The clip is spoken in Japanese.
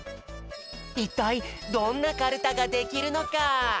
いったいどんなカルタができるのか？